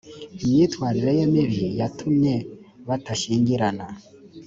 imyitwarire ye mibi yatumye batashyingiranwa